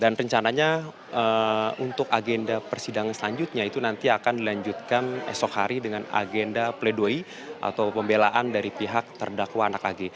dan rencananya untuk agenda persidangan selanjutnya itu nanti akan dilanjutkan esok hari dengan agenda pleidoyi atau pembelaan dari pihak terdakwaan anak ag